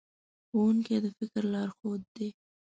ښوونکي د فکر لارښود دي.